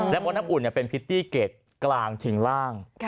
แล้วบอกว่าน้ำอุ่นเป็นพิตตี้เกร็ดกลางถึงล่าง